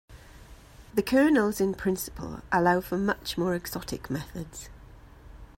The kernels in principle allow for much more exotic methods.